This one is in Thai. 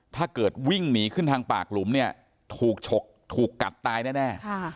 ถ้าเกิดวิ่งหนีขึ้นทางปากหลุมเนี่ยถูกฉกถูกกัดตายแน่